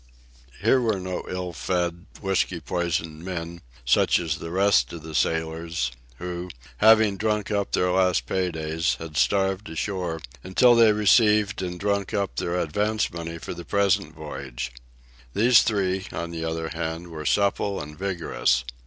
Here were no ill fed, whiskey poisoned men, such as the rest of the sailors, who, having drunk up their last pay days, had starved ashore until they had received and drunk up their advance money for the present voyage. These three, on the other hand were supple and vigorous.